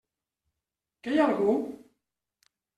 Que hi ha algú?